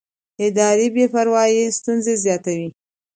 اداري بې پروایي ستونزې زیاتوي